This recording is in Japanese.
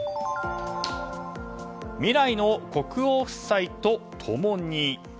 未来の国王夫妻と共に。